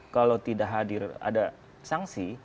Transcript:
kalau tidak hadir ada sanksi